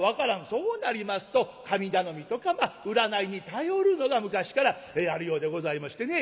そうなりますと神頼みとか占いに頼るのが昔からあるようでございましてね。